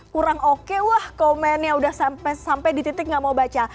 kurang oke wah komennya udah sampai di titik nggak mau baca